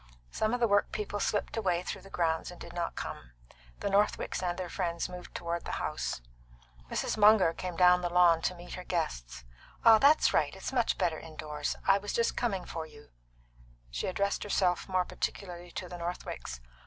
Some of the workpeople slipped away through the grounds and did not come. The Northwicks and their friends moved toward the house. Mrs. Munger came down the lawn to meet her guests. "Ah, that's right. It's much better indoors. I was just coming for you." She addressed herself more particularly to the Northwicks.